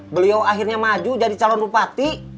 beliau akhirnya maju jadi calon bupati